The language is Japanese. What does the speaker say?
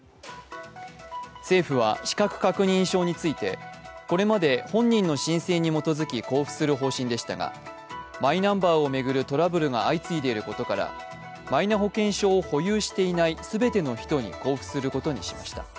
政府は資格確認書について、これまで本人の申請に基づき交付する方針でしたが、マイナンバーを巡るトラブルが相次いでいることからマイナ保険証を保有していない全ての人に交付することにしました。